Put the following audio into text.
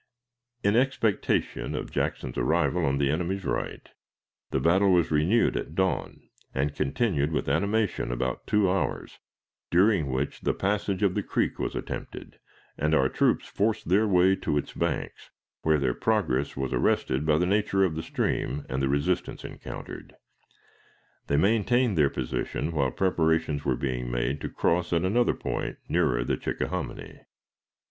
In expectation of Jackson's arrival on the enemy's right, the battle was renewed at dawn, and continued with animation about two hours, during which the passage of the creek was attempted, and our troops forced their way to its banks, where their progress was arrested by the nature of the stream and the resistance encountered. They maintained their position while preparations were being made to cross at another point nearer the Chickahominy.